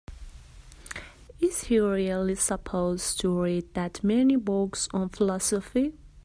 Is he really supposed to read that many books on philosophy?